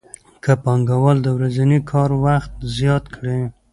که پانګوال د ورځني کار وخت زیات کړي